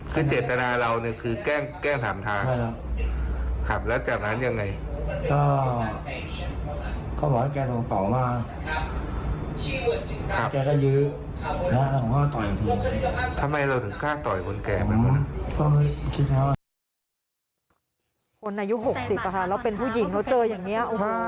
คนอายุหกสิบค่ะแล้วเป็นผู้หญิงแล้วเจออย่างนี้โอ้โห